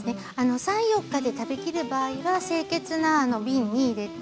３４日で食べきる場合は清潔な瓶に入れて冷蔵庫で保存します。